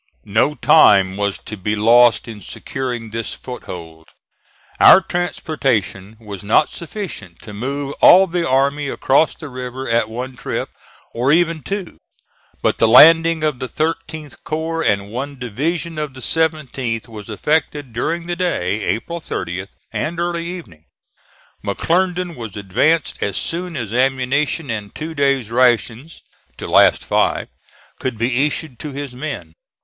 No time was to be lost in securing this foothold. Our transportation was not sufficient to move all the army across the river at one trip, or even two; but the landing of the 13th corps and one division of the 17th was effected during the day, April 30th, and early evening. McClernand was advanced as soon as ammunition and two days' rations (to last five) could be issued to his men.